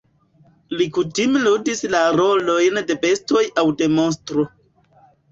Li kutime ludis la rolojn de bestoj aŭ de monstro.